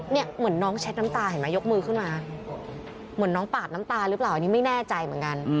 เหมือนน้องเช็ดน้ำตาเห็นไหมยกมือขึ้นมาเหมือนน้องปาดน้ำตาหรือเปล่าอันนี้ไม่แน่ใจเหมือนกัน